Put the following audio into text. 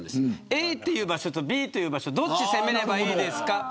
Ａという場所とＢという場所どちらを攻めればいいか。